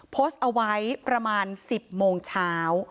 โพสต์เอาไว้ประมาณ๑๐โมงเช้า